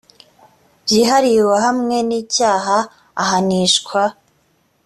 byihariye uwahamwe n icyaha ahanishwa